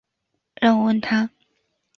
让我问他